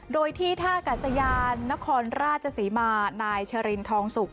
โดยที่ท่ากัศยานนครราชศรีมานายชรินทองสุก